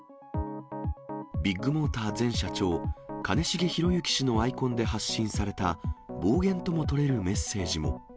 ビッグモーター前社長、兼重宏行氏のアイコンで発信された、暴言とも取れるメッセージも。